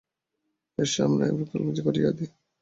S, আমরা কেবল কাজ করিয়া যাই।